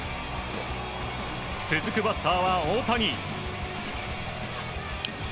続くバッターは大谷。